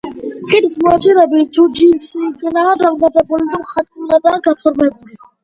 ხიდის მოაჯირები თუჯისგანაა დამზადებული და მხატვრულადაა გაფორმებული.